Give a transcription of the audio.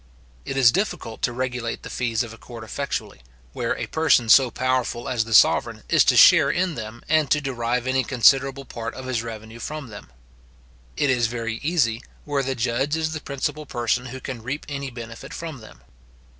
It is difficult to regulate the fees of court effectually, where a person so powerful as the sovereign is to share in them and to derive any considerable part of his revenue from them. It is very easy, where the judge is the principal person who can reap any benefit from them.